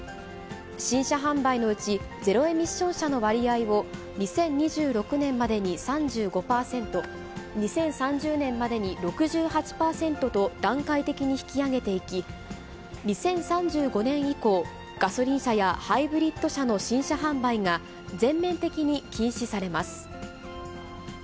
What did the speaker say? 新車販売のうち、ゼロエミッション車の割合を、２０２６年までに３５％、２０３０年までに６８％と、段階的に引き上げていき、２０３５年以降、ガソリン車やハイブリッド車の新車販売が、全面的に禁止されます。